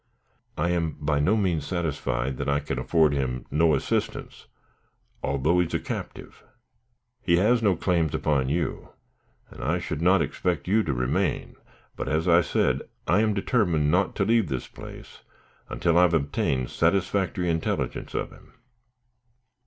I am by no means satisfied that I can afford him no assistance, although he is a captive. He has no claims upon you, and I should not expect you to remain, but, as I said, I am determined not to leave this place until I have obtained satisfactory intelligence of him."